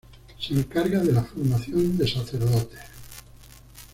Se encarga de la formación de sacerdotes.